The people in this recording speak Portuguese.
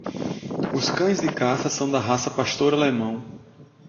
Os cães de caça são da raça Pastor Alemão